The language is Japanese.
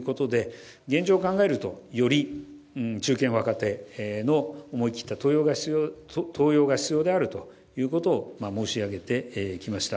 現状を考えるとより中堅・若手の思い切った登用が必要であるということを申し上げてきました。